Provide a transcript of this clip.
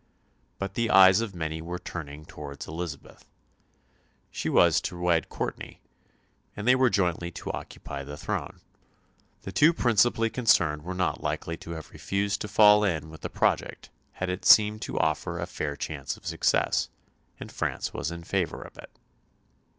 But the eyes of many were turning towards Elizabeth. She was to wed Courtenay, and they were jointly to occupy the throne. The two principally concerned were not likely to have refused to fall in with the project had it seemed to offer a fair chance of success, and France was in favour of it.